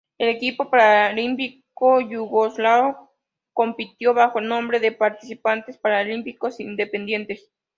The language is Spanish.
El equipo paralímpico yugoslavo compitió bajo el nombre de Participantes Paralímpicos Independientes.